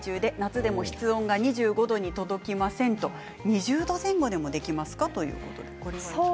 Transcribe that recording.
２０度前後でもできますかという質問です。